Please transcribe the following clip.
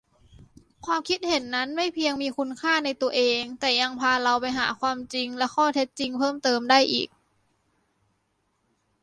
ความคิดเห็นนั้นไม่เพียงมีคุณค่าในตัวเอง แต่ยังพาเราไปหาความจริงและข้อเท็จจริงเพิ่มเติมได้อีก